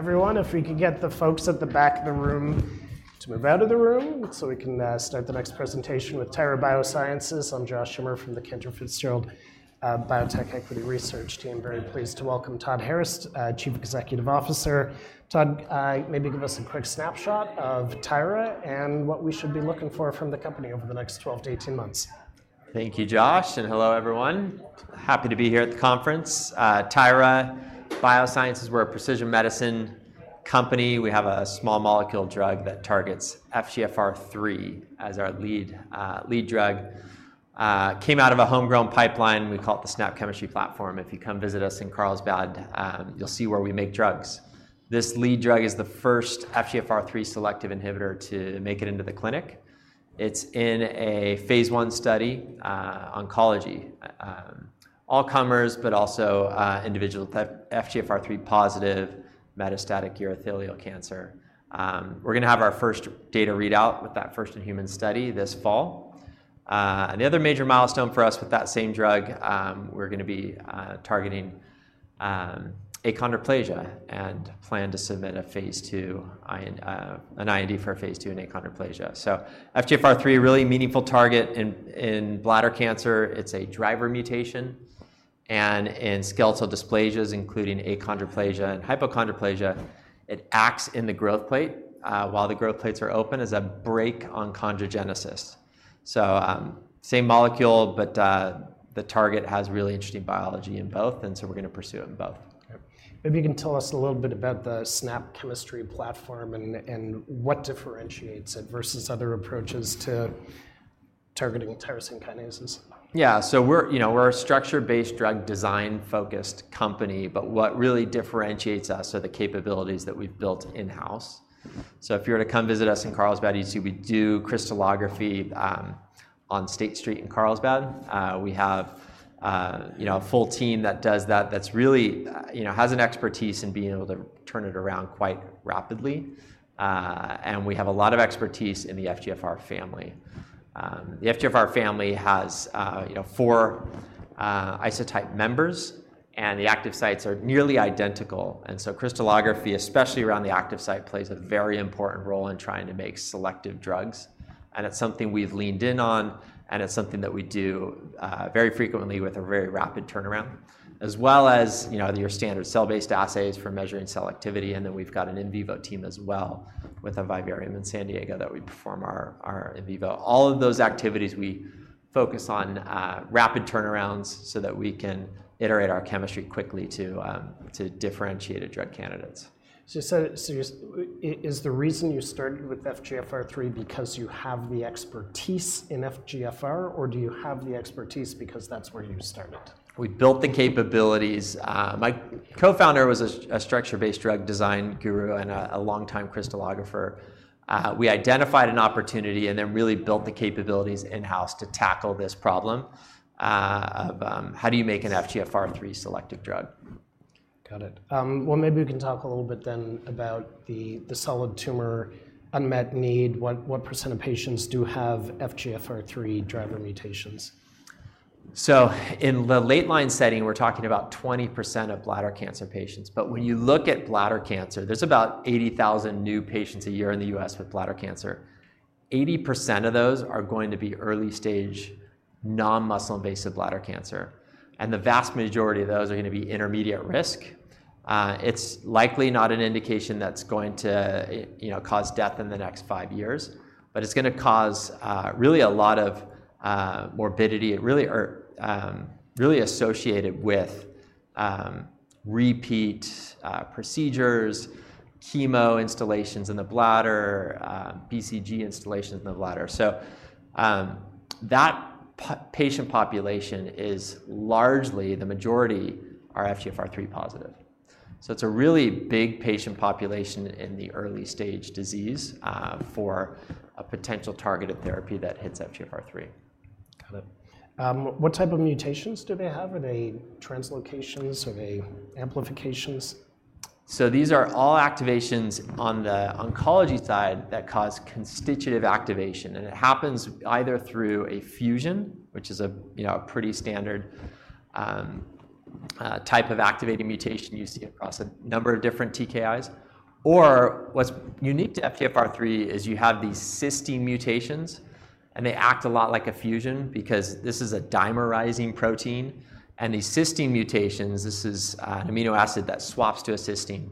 Everyone, if we could get the folks at the back of the room to move out of the room so we can start the next presentation with Tyra Biosciences. I'm Josh Schimmer from the Cantor Fitzgerald Biotech Equity Research team. Very pleased to welcome Todd Harris, Chief Executive Officer. Todd, maybe give us a quick snapshot of Tyra and what we should be looking for from the company over the next twelve to eighteen months. Thank you, Josh, and hello, everyone. Happy to be here at the conference. Tyra Biosciences, we're a precision medicine company. We have a small molecule drug that targets FGFR3 as our lead drug. Came out of a homegrown pipeline. We call it the SNAP Chemistry Platform. If you come visit us in Carlsbad, you'll see where we make drugs. This lead drug is the first FGFR3 selective inhibitor to make it into the clinic. It's in a phase 1 study, oncology, all comers, but also individual FGFR3 positive metastatic urothelial cancer. We're gonna have our first data readout with that first-in-human study this fall. And the other major milestone for us with that same drug, we're gonna be targeting achondroplasia, and plan to submit a phase 2 an IND for phase 2 in achondroplasia. FGFR3, a really meaningful target in bladder cancer. It's a driver mutation, and in skeletal dysplasias, including achondroplasia and hypochondroplasia, it acts in the growth plate. While the growth plates are open, there's a break on chondrogenesis. Same molecule, but the target has really interesting biology in both, and so we're gonna pursue in both. Okay. Maybe you can tell us a little bit about the SNAP platform and what differentiates it versus other approaches to targeting tyrosine kinases. Yeah. So we're, you know, we're a structure-based drug design-focused company, but what really differentiates us are the capabilities that we've built in-house. So if you were to come visit us in Carlsbad, you'd see we do crystallography on State Street in Carlsbad. We have, you know, a full team that does that, that's really, you know, has an expertise in being able to turn it around quite rapidly. And we have a lot of expertise in the FGFR family. The FGFR family has, you know, four isotype members, and the active sites are nearly identical. And so crystallography, especially around the active site, plays a very important role in trying to make selective drugs, and it's something we've leaned in on, and it's something that we do very frequently with a very rapid turnaround, as well as, you know, your standard cell-based assays for measuring cell activity, and then we've got an in vivo team as well, with a vivarium in San Diego that we perform our in vivo. All of those activities, we focus on rapid turnarounds so that we can iterate our chemistry quickly to differentiated drug candidates. Is the reason you started with FGFR3 because you have the expertise in FGFR, or do you have the expertise because that's where you started? We built the capabilities... My co-founder was a structure-based drug design guru and a longtime crystallographer. We identified an opportunity and then really built the capabilities in-house to tackle this problem of how do you make an FGFR3 selective drug? Got it. Well, maybe we can talk a little bit then about the solid tumor unmet need. What percent of patients do have FGFR3 driver mutations? So in the late line setting, we're talking about 20% of bladder cancer patients, but when you look at bladder cancer, there's about 80,000 new patients a year in the U.S. with bladder cancer. 80% of those are going to be early-stage, non-muscle-invasive bladder cancer, and the vast majority of those are gonna be intermediate risk. It's likely not an indication that's going to you know cause death in the next five years, but it's gonna cause really a lot of morbidity. It really associated with repeat procedures, chemo instillations in the bladder, BCG instillations in the bladder. So that patient population is largely the majority, are FGFR3 positive. So it's a really big patient population in the early stage disease for a potential targeted therapy that hits FGFR3. Got it. What type of mutations do they have? Are they translocations? Are they amplifications? These are all activations on the oncology side that cause constitutive activation, and it happens either through a fusion, which is a you know pretty standard type of activating mutation you see across a number of different TKIs. Or what's unique to FGFR3 is you have these cysteine mutations, and they act a lot like a fusion because this is a dimerizing protein, and these cysteine mutations, this is an amino acid that swaps to a cysteine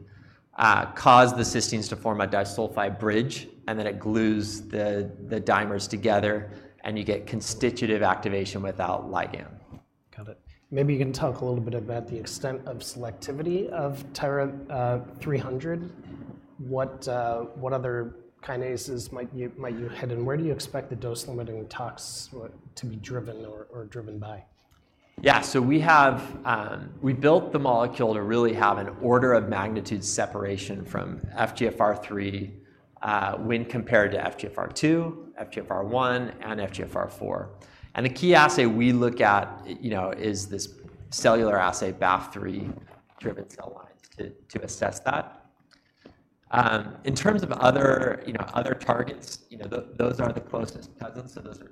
cause the cysteines to form a disulfide bridge, and then it glues the dimers together, and you get constitutive activation without ligand. Got it. Maybe you can talk a little bit about the extent of selectivity of TYRA-300. What other kinases might you hit, and where do you expect the dose-limiting tox to be driven by? Yeah. So we have. We built the molecule to really have an order of magnitude separation from FGFR3, when compared to FGFR2, FGFR1, and FGFR4. And the key assay we look at, you know, is this cellular assay, Ba/F3 driven cell lines, to assess that. In terms of other, you know, other targets, you know, those are the closest cousins, so those are.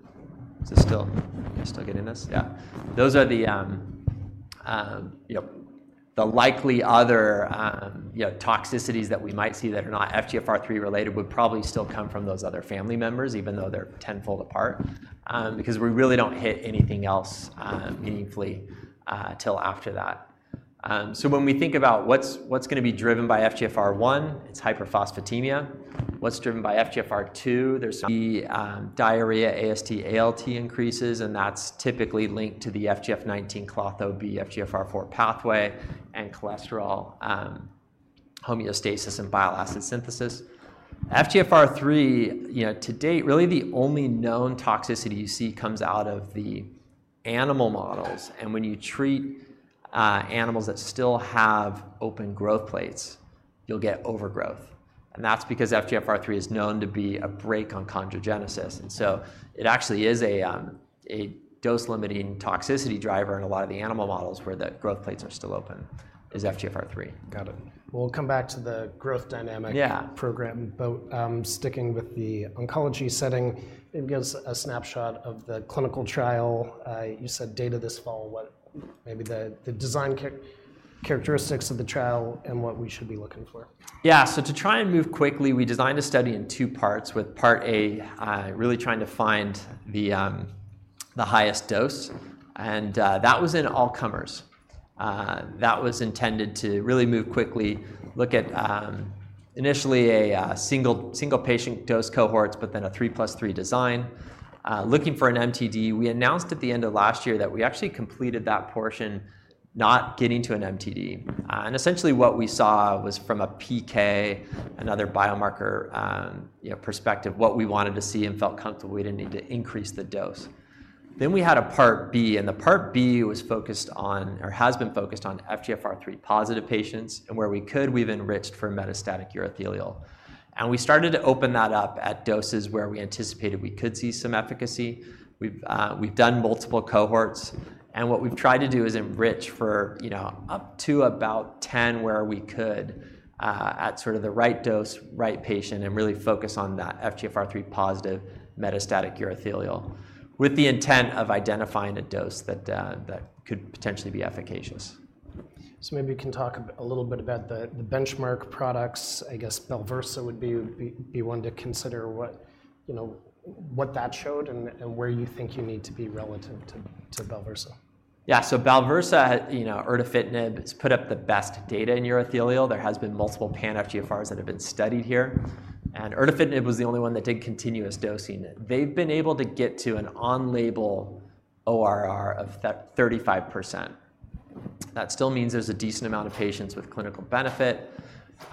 Is it still, you guys still getting this? Yeah. Those are the, you know, the likely other, you know, toxicities that we might see that are not FGFR3-related would probably still come from those other family members, even though they're tenfold apart, because we really don't hit anything else, meaningfully, till after that. So when we think about what's, what's gonna be driven by FGFR1, it's hyperphosphatemia. What's driven by FGFR2? There's the diarrhea, AST, ALT increases, and that's typically linked to the FGF19 Klotho FGFR4 pathway and cholesterol homeostasis and bile acid synthesis. FGFR3, you know, to date, really the only known toxicity you see comes out of the animal models, and when you treat animals that still have open growth plates, you'll get overgrowth, and that's because FGFR3 is known to be a brake on chondrogenesis. And so it actually is a dose-limiting toxicity driver in a lot of the animal models where the growth plates are still open, is FGFR3. Got it. We'll come back to the growth dynamic- Yeah. -program, but sticking with the oncology setting, maybe give us a snapshot of the clinical trial. You said data this fall. Maybe the design characteristics of the trial and what we should be looking for. Yeah. So to try and move quickly, we designed a study in two parts, with part A really trying to find the highest dose, and that was in all comers. That was intended to really move quickly, look at initially a single-patient dose cohorts, but then a three plus three design looking for an MTD. We announced at the end of last year that we actually completed that portion, not getting to an MTD. And essentially what we saw was from a PK, another biomarker, you know, perspective, what we wanted to see and felt comfortable we didn't need to increase the dose. Then we had a part B, and the part B was focused on or has been focused on FGFR3-positive patients, and where we could, we've enriched for metastatic urothelial. And we started to open that up at doses where we anticipated we could see some efficacy. We've done multiple cohorts, and what we've tried to do is enrich for, you know, up to about 10, where we could at sort of the right dose, right patient, and really focus on that FGFR3-positive metastatic urothelial, with the intent of identifying a dose that could potentially be efficacious. So maybe you can talk a little bit about the benchmark products. I guess Balversa would be one to consider, you know, what that showed and where you think you need to be relative to Balversa. Yeah. So Balversa, you know, erdafitinib, it's put up the best data in urothelial. There has been multiple pan-FGFRs that have been studied here, and erdafitinib was the only one that did continuous dosing. They've been able to get to an on-label ORR of 35%. That still means there's a decent amount of patients with clinical benefit.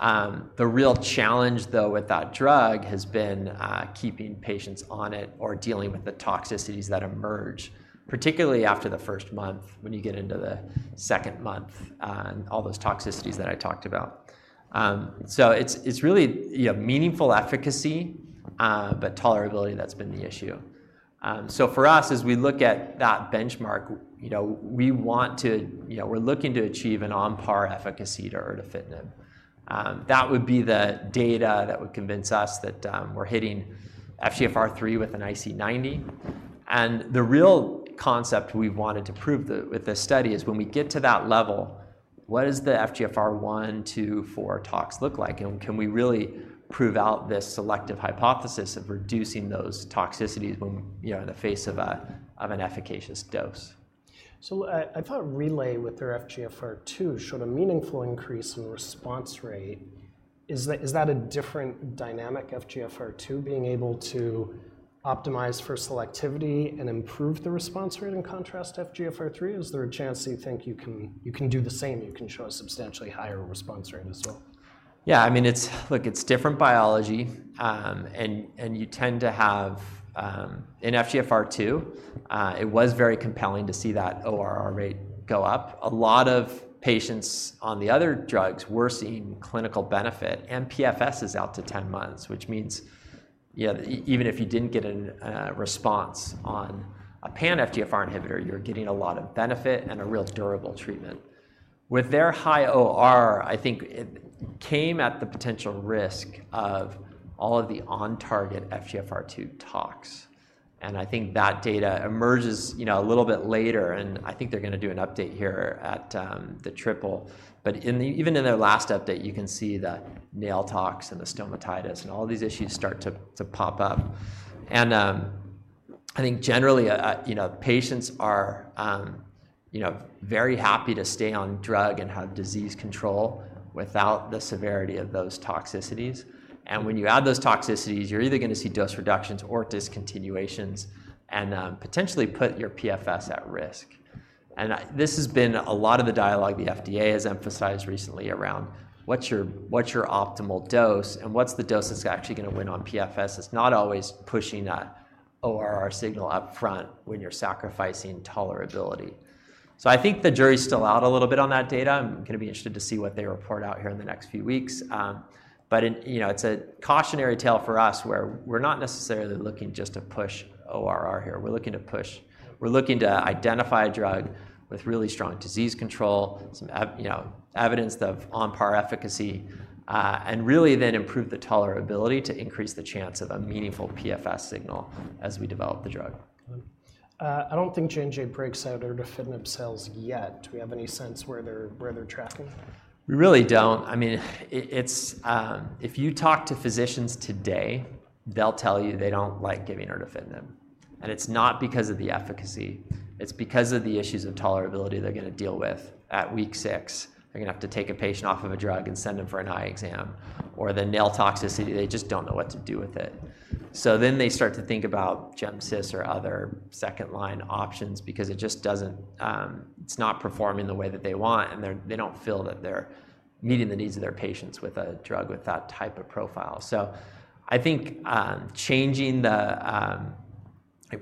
The real challenge, though, with that drug has been keeping patients on it or dealing with the toxicities that emerge, particularly after the first month when you get into the second month, and all those toxicities that I talked about. So it's really, you have meaningful efficacy, but tolerability, that's been the issue. So for us, as we look at that benchmark, you know, we want to... You know, we're looking to achieve an on-par efficacy to erdafitinib. That would be the data that would convince us that we're hitting FGFR3 with an IC90. And the real concept we wanted to prove with this study is, when we get to that level, what does the FGFR1, 2, 4 tox look like, and can we really prove out this selective hypothesis of reducing those toxicities when, you know, in the face of an efficacious dose? I thought Relay with their FGFR2 showed a meaningful increase in response rate. Is that a different dynamic, FGFR2, being able to optimize for selectivity and improve the response rate in contrast to FGFR3? Is there a chance that you think you can do the same, you can show a substantially higher response rate as well? Yeah, I mean, it's... Look, it's different biology, and you tend to have... In FGFR2, it was very compelling to see that ORR rate go up. A lot of patients on the other drugs were seeing clinical benefit, and PFS is out to 10 months, which means, you know, even if you didn't get a response on a pan-FGFR inhibitor, you're getting a lot of benefit and a real durable treatment. With their high OR, I think it came at the potential risk of all of the on-target FGFR2 tox, and I think that data emerges, you know, a little bit later, and I think they're gonna do an update here at the Triple. But even in their last update, you can see the nail tox and the stomatitis, and all these issues start to pop up. I think generally, you know, patients are, you know, very happy to stay on drug and have disease control without the severity of those toxicities, and when you add those toxicities, you're either gonna see dose reductions or discontinuations and, potentially put your PFS at risk. This has been a lot of the dialogue the FDA has emphasized recently around what's your, what's your optimal dose, and what's the dose that's actually gonna win on PFS? It's not always pushing a ORR signal up front when you're sacrificing tolerability. So I think the jury's still out a little bit on that data. I'm gonna be interested to see what they report out here in the next few weeks. But you know, it's a cautionary tale for us, where we're not necessarily looking just to push ORR here. We're looking to identify a drug with really strong disease control, some evidence of on-par efficacy, you know, and really then improve the tolerability to increase the chance of a meaningful PFS signal as we develop the drug. ... I don't think J&J breaks out erdafitinib sales yet. Do we have any sense where they're tracking? We really don't. I mean, it's, if you talk to physicians today, they'll tell you they don't like giving erdafitinib, and it's not because of the efficacy, it's because of the issues of tolerability they're gonna deal with at week six. They're gonna have to take a patient off of a drug and send them for an eye exam or the nail toxicity. They just don't know what to do with it. So then they start to think about gemcitabine or other second-line options because it just doesn't. It's not performing the way that they want, and they're, they don't feel that they're meeting the needs of their patients with a drug with that type of profile. So I think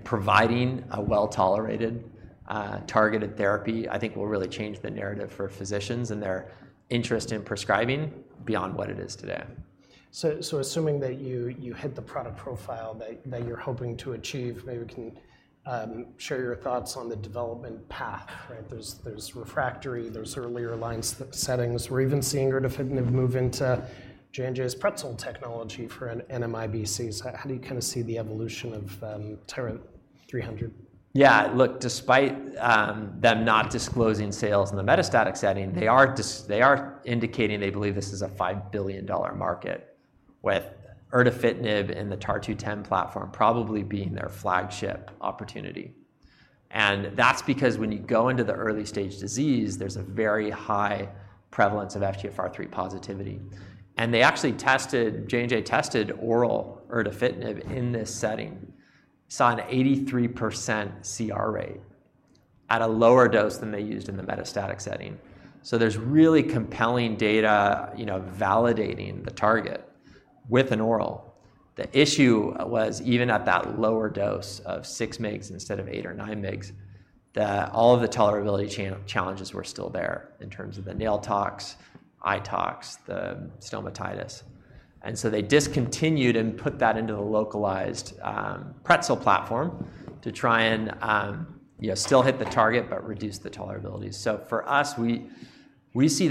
providing a well-tolerated targeted therapy, I think, will really change the narrative for physicians and their interest in prescribing beyond what it is today. Assuming that you hit the product profile that you're hoping to achieve, maybe we can share your thoughts on the development path, right? There's refractory, there's earlier line settings. We're even seeing erdafitinib move into J&J's pretzel technology for an NMIBC. So how do you kinda see the evolution of TYRA-300? Yeah, look, despite them not disclosing sales in the metastatic setting, they are indicating they believe this is a $5 billion market, with erdafitinib and the TAR-210 platform probably being their flagship opportunity. That's because when you go into the early-stage disease, there's a very high prevalence of FGFR3 positivity. They actually tested, J&J tested oral erdafitinib in this setting, saw an 83% CR rate at a lower dose than they used in the metastatic setting. So there's really compelling data, you know, validating the target with an oral. The issue was, even at that lower dose of six mgs instead of eight or nine mgs, that all of the tolerability challenges were still there in terms of the nail tox, eye tox, the stomatitis. And so they discontinued and put that into a localized pretzel platform to try and, you know, still hit the target but reduce the tolerability. So for us, we see that-